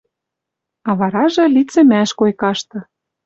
А варажы лицӹмӓш койкашты.